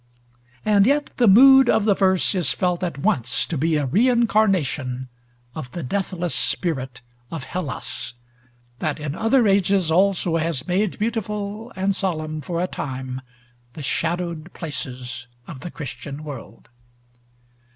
And yet the mood of the verse is felt at once to be a reincarnation of the deathless spirit of Hellas, that in other ages also has made beautiful and solemn for a time the shadowed places of the Christian world.